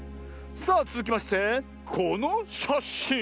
さあつづきましてこのしゃしん。